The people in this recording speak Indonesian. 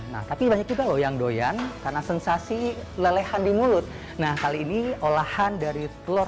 nah tapi banyak juga loyang doyan karena sensasi lelehan di mulut nah kali ini olahan dari telur